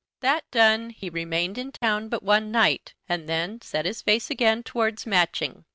That done, he remained in town but one night, and then set his face again towards Matching.